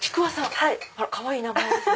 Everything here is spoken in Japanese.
かわいい名前ですね。